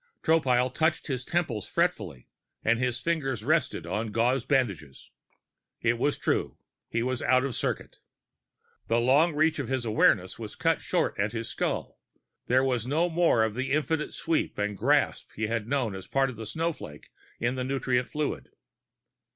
Tropile touched his temples fretfully and his fingers rested on gauze bandages. It was true: he was out of circuit. The long reach of his awareness was cut short at his skull; there was no more of the infinite sweep and grasp he had known as part of the snowflake in the nutrient fluid.